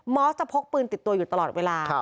อสจะพกปืนติดตัวอยู่ตลอดเวลา